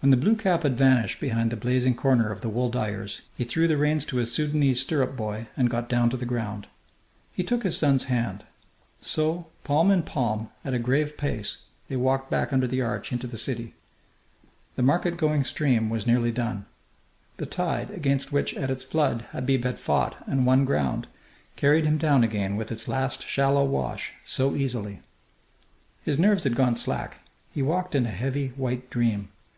When the blue cap had vanished behind the blazing corner of the wool dyers, he threw the reins to his Sudanese stirrup boy and got down to the ground. He took his son's hand. So, palm in palm, at a grave pace, they walked back under the arch into the city. The market going stream was nearly done. The tide, against which at its flood Habib had fought and won ground, carried him down again with its last shallow wash so easily! His nerves had gone slack. He walked in a heavy white dream.